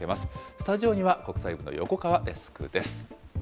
スタジオには国際部の横川デスクです。